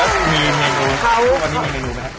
แล้วมีเมนูวันนี้มีเมนูไหมคะ